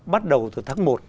bắt đầu từ tháng một